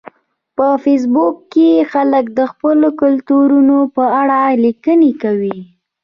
په فېسبوک کې خلک د خپلو کلتورونو په اړه لیکنې کوي